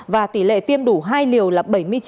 và tỉ lệ tiêm đủ hai liều là bảy mươi chín một